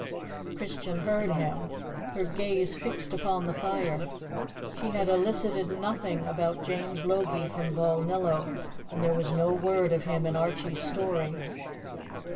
Christian heard him, her gaze fixed upon the fire. She had elicited nothing about James Logie from Balnillo, and there was no word of him in Archie's story.